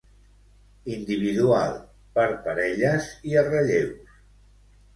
Individual, per parelles i a relleus.